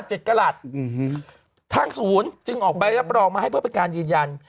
เจ็ดกระหลัดอือฮือทางศูนย์จึงออกไปแล้วประดองมาให้เพื่อเป็นการยืนยัน